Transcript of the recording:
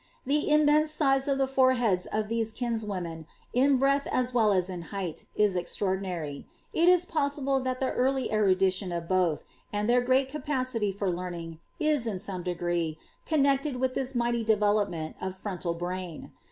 The immense size of the foreheads of these kinswomen, in breadth as well as in height, is extraordinary ; it is possible that the early erudition of both, and their great capacity for learning, is, in some degree, con nected with this mighty developement of frontal brain.'